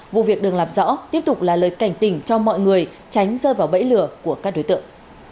vụ việc đường làm rõ tiếp tục là lời cảnh tình cho mọi người tránh rơi vào bẫy lừa của các đối tượng